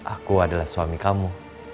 aku adalah suami kamu